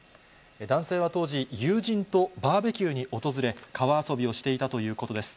男性は当時、友人とバーベキューに訪れ、川遊びをしていたということです。